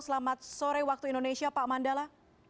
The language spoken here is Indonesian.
selamat sore waktu indonesia pak mandala